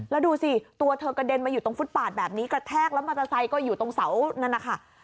แล้วดูสิตัวเธอกระเด็นมาอยู่ตรงฟุตปาดแบบนี้กระแทกแล้วมอเตอร์ไซค์ก็อยู่ตรงเสานั่นนะคะ